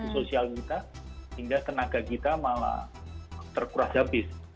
berarti sosial kita hingga tenaga kita malah terkurah habis